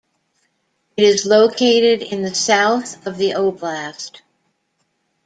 It is located in the south of the oblast.